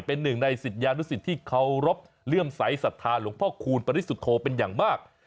เป็นหนึ่งในศิษยานุสิตที่เคารพเลื่อมใสสัทธาหลวงพ่อคูณปริสุทธโธเป็นอย่างมาก